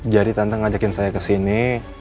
jadi tante ngajakin saya ke sini